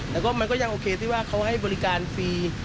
แล้วก็มันก็ยังโอเคที่ว่าเขาให้บริการฟรี